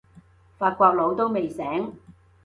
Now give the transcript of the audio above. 法國佬都未醒